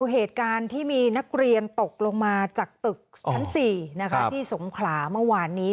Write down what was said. เหตุการณ์ที่มีนักเรียนตกลงมาจากตึกชั้น๔ที่สงขลาเมื่อวานนี้